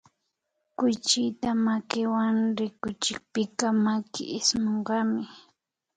Kuychita makiwan rikuchikpika maki ismunkami